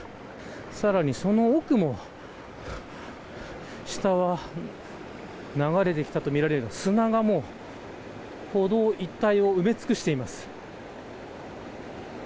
さらに、その奥も下は、流れてきたとみられる砂が歩道一帯を埋め尽くしています。